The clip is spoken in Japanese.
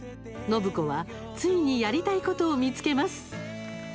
暢子はついにやりたいことを見つけます。